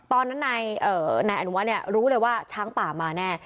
ตอนนั้นนายอนุวัฒน์รู้เลยว่าช้างป่ามาแน่